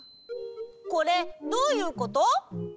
これどういうこと？